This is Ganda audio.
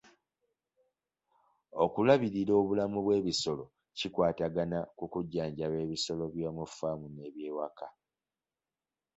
Okulabirira obulamu bw'ebisolo kikwatagana ku kujjanjaba ebisolo by'omu faamu n'ebyewaka.